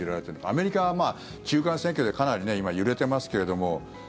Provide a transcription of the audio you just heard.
アメリカは中間選挙でかなり今、揺れてますけれども。